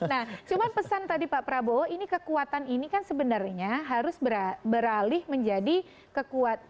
nah cuma pesan tadi pak prabowo ini kekuatan ini kan sebenarnya harus beralih menjadi kekuatan